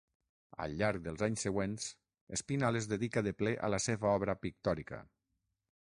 Al llarg dels anys següents Espinal es dedica de ple a la seva obra pictòrica.